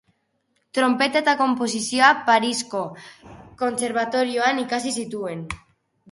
Tronpeta eta konposizioa Parisko Kontserbatorioan ikasi zituen.